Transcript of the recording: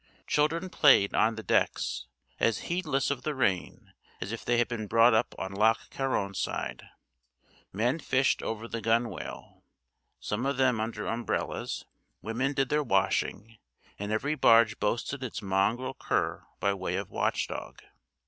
Children played on the decks, as heedless of the rain as if they had been brought up on Loch Carron side; men fished over the gunwale, some of them under umbrellas; women did their washing; and every barge boasted its mongrel cur by way of watch dog.